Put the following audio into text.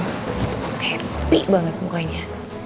happy banget mukanya